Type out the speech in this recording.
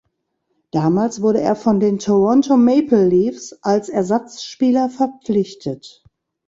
Damals wurde er von den Toronto Maple Leafs als Ersatzspieler verpflichtet.